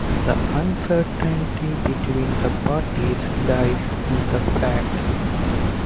The uncertainty between the parties lies in the facts.